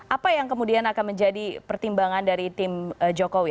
apa yang kemudian akan menjadi pertimbangan dari tim jokowi